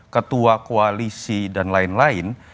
ketua koalisi dan lain lain